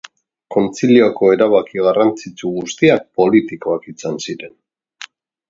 Kontzilioko erabaki garrantzitsu guztiak politikoak izan ziren.